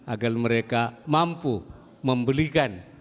agar mereka mampu membelikan